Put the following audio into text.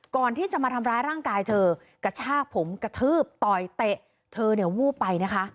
ก่อนที่จะมาทำร้ายร่างกายเธอกระชากผมกระทืบต่อยเตะเธอเนี่ยวูบไปนะคะ